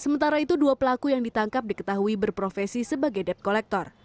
sementara itu dua pelaku yang ditangkap diketahui berprofesi sebagai debt collector